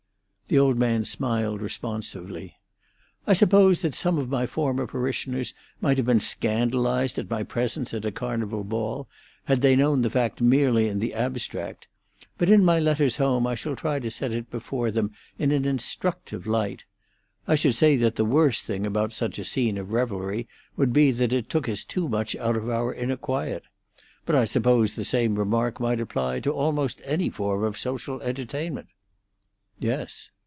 The old man smiled responsively. "I suppose that some of my former parishioners might have been scandalised at my presence at a Carnival ball, had they known the fact merely in the abstract; but in my letters home I shall try to set it before them in an instructive light. I should say that the worst thing about such a scene of revelry would be that it took us too much out of our inner quiet. But I suppose the same remark might apply to almost any form of social entertainment." "Yes."